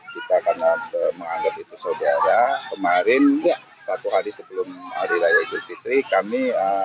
kita karena menganggap itu saudara kemarin satu hari sebelum hari raya idul fitri kami